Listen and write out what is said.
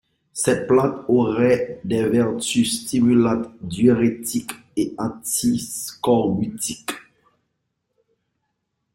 Cette plante aurait des vertus stimulantes, diurétiques et antiscorbutiques.